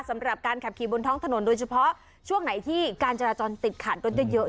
สำหรับการขับขี่บนท้องถนนโดยเฉพาะช่วงไหนที่การจราจรติดขาดก็เยอะ